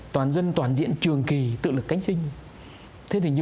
toàn dân toàn diện trường kỳ tự lực cánh sinh